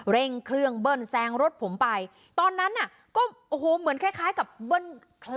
เร่งเครื่องเบิ้ลแซงรถผมไปตอนนั้นน่ะก็โอ้โหเหมือนคล้ายคล้ายกับเบิ้ล